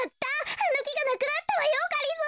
あのきがなくなったわよがりぞー。